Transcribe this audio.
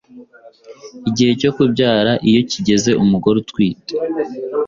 Igihe cyo kubyara iyo kigeze umugore utwite